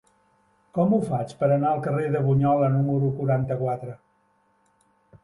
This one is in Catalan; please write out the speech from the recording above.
Com ho faig per anar al carrer de Bunyola número quaranta-quatre?